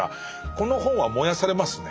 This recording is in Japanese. この本は燃やされますね。